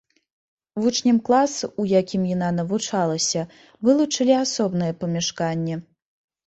Вучням класа, у якім яна навучалася, вылучылі асобнае памяшканне.